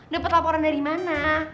dapet laporan dari mana